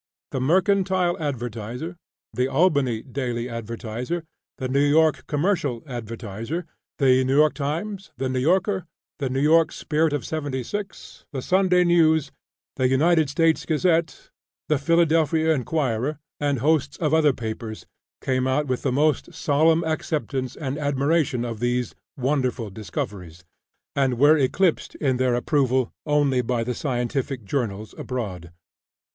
The "Mercantile Advertiser," the "Albany Daily Advertiser," the "New York Commercial Advertiser," the "New York Times," the "New Yorker," the "New York Spirit of '76," the "Sunday News," the "United States Gazette," the "Philadelphia Inquirer," and hosts of other papers came out with the most solemn acceptance and admiration of these "wonderful discoveries," and were eclipsed in their approval only by the scientific journals abroad.